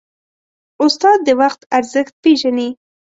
استاد د وخت ارزښت پېژني.